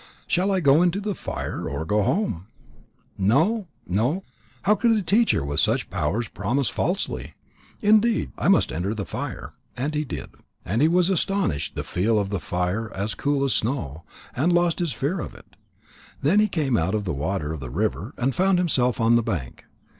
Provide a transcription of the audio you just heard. Shall I go into the fire, or go home? No, no. How could a teacher with such powers promise falsely? Indeed, I must enter the fire." And he did. And he was astonished the feel the fire as cool as snow, and lost his fear of it. Then he came out of the water of the river, and found himself on the bank.